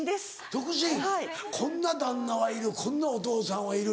独身こんな旦那はいるこんなお父さんはいる。